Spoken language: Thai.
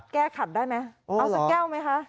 ขัดได้ไหมเอาสักแก้วไหมคะ